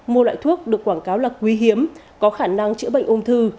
mua loại thuốc được quảng cáo là quý hiếm có khả năng chữa bệnh ung thư